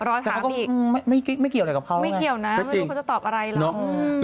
ร้อนถามอีกไม่เกี่ยวอะไรกับเขาแล้วแน่ไม่รู้เขาจะตอบอะไรล่ะ